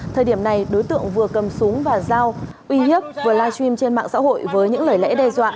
thời điểm này đối tượng vừa cầm súng và dao uy hiếp vừa live stream trên mạng xã hội với những lời lẽ đe dọa